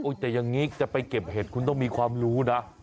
แต่อย่างนี้จะไปเก็บเห็ดคุณต้องมีความรู้นะ